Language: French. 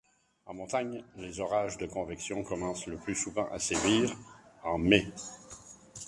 En montagne, les orages de convection commencent le plus souvent à sévir en mai.